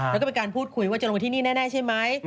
แล้วก็เป็นการพูดคุยว่าจะลงไปที่นี่แน่ใช่ไหม